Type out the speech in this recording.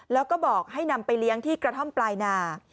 แล้วก็บอกให้นำไปเลี้ยงที่กระท่อมปลายนา